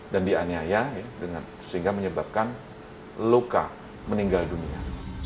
dan dianyai dengan sehingga menyebabkan luka meninggal dunia